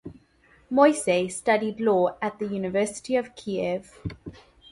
Moisei studied law at the University of Kiev.